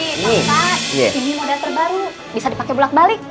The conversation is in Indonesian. pak ini model terbaru bisa dipake bulat balik